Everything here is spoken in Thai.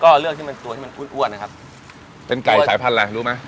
ก็เลือกที่เป็นตัวที่มันอ้วนนะครับเป็นไก่สายพันธุ์อะไรรู้ไหม